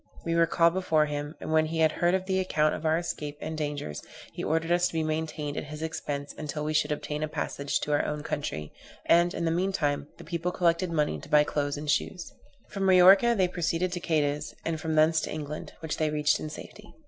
We were called before him, and when he had heard the account of our escape and dangers, he ordered us to be maintained at his expense until we should obtain a passage to our own country; and, in the meantime, the people collected money to buy clothes and shoes. From Majorca they proceeded to Cadiz, and from thence to England, which they reached in safety.